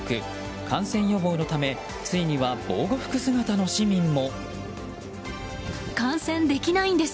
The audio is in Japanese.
感染予防のためついには防護服姿の市民も。